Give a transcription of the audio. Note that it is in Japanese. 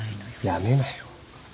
やめなよ。